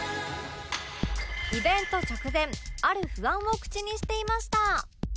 イベント直前ある不安を口にしていました